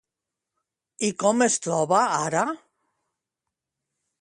I com es troba ara?